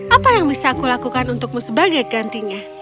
apa yang bisa aku lakukan untukmu sebagai gantinya